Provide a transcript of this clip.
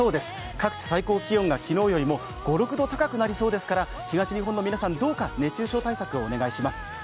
各地平年よりも５６度高くなりそうですから東日本の皆さん、どうか熱中症対策をお願いします。